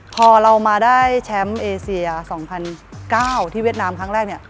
พอเรามาได้แชมป์เอเซีย๒๐๐๙ที่เวียดนามครั้งแรกเนี่ย